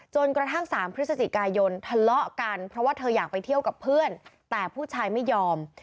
จนกระทั่ง๓พฤศจิกายนทะเลาะกันเพราะว่าเธออยากไปเที่ยวกับเพื่อนแต่ผู้ชายไม่ยอม